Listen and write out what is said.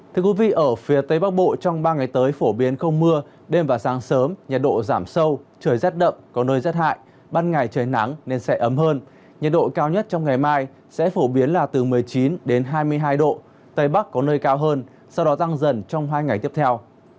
thưa quý vị ở phía tây bắc bộ trong ba ngày tới phổ biến không mưa đêm và sáng sớm nhiệt độ giảm sâu trời rét đậm có nơi rét hại ban ngày trời nắng nên sẽ ấm hơn nhiệt độ cao nhất trong ngày mai sẽ phổ biến là từ một mươi chín hai mươi hai độ tây bắc có nơi cao hơn sau đó tăng dần trong hai ngày tiếp theo